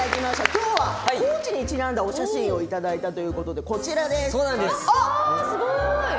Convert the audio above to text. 今日は高知にちなんだお写真をいただいたということでこちらです。